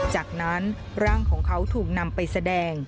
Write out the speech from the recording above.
จากนั้นร่างของเขาถูกนำไปแสดง